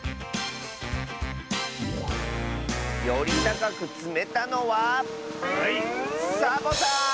よりたかくつめたのはサボさん！